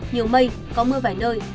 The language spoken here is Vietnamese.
nhiều mây có mưa vài nơi